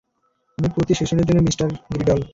আমি প্রতি সেশনের জন্য মিস্টার গ্রিন্ডল।